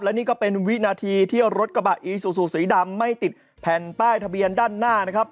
และนี่ก็เป็นวินาทีที่รถกระบะอีซูซูสีดำไม่ติดแผ่นป้ายทะเบียนด้านหน้านะครับ